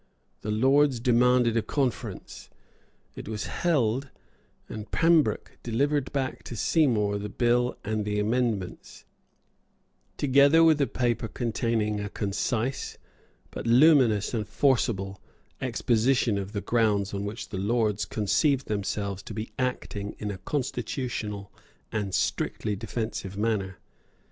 The Lords demanded a conference. It was held; and Pembroke delivered back to Seymour the bill and the amendments, together with a paper containing a concise, but luminous and forcible, exposition of the grounds on which the Lords conceived themselves to be acting in a constitutional and strictly defensive manner.